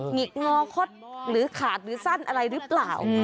หิกงอคดหรือขาดหรือสั้นอะไรหรือเปล่า